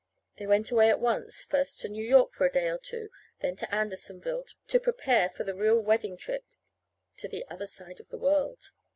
They went away at once, first to New York for a day or two, then to Andersonville, to prepare for the real wedding trip to the other side of the world.